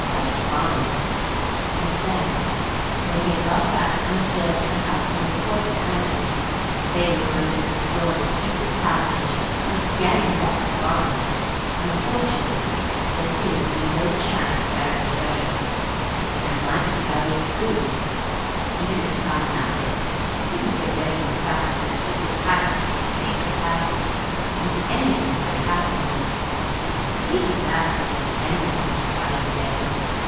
What fun! And then, when he had got back unobserved to the house and reported to Antony, they were going to explore the secret passage! Again, what fun! Unfortunately there seemed to be no chance of buried treasure, but there might be buried clues. Even if you found nothing, you couldn't get away from the fact that a secret passage was a secret passage, and anything might happen in it. But even that wasn't the end of this exciting day.